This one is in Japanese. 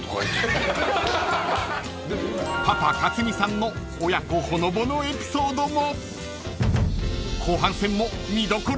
［パパ克実さんの親子ほのぼのエピソードも］